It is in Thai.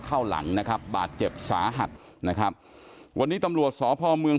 หลังนะครับบาดเจ็บสาหัสนะครับวันนี้ตำรวจสพเมือง